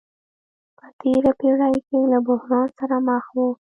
په تېره پېړۍ کې له بحران سره مخ وو.